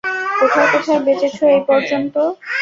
কোথায় কোথায় বেচেছো এই পর্যন্ত?